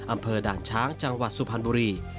อำเภอด่านช้างจังหวัดสุพรรณบุรี